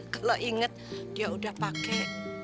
kalau inget dia udah pakai